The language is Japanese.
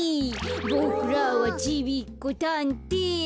「ボクらはちびっこたんてい団」